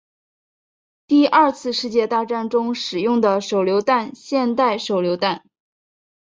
第二次世界大战中使用的手榴弹现代手榴弹